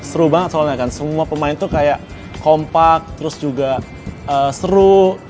seru banget soalnya kan semua pemain tuh kayak kompak terus juga seru